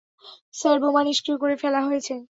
Sir বোমা নিষ্ক্রিয় করে ফেলা হয়েছে।